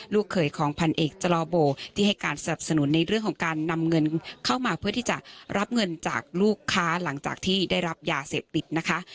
ลูกเคยของพันเอกจลอโบที่ให้การสนับสนุนในเรื่องของการนำเงินเข้ามาเพื่อที่จะรับเงินจากลูกค้าหลังจากที่ได้รับยาเสพติดนะคะ